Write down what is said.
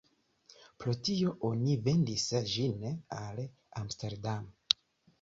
Pro tio oni vendis ĝin al Amsterdam.